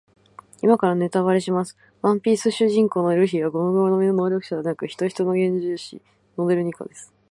今からネタバレします。ワンピース主人公のルフィはゴムゴムの実の能力者ではなく、ヒトヒトの実幻獣種モデルニカです。